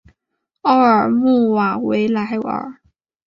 奥尔穆瓦维莱尔。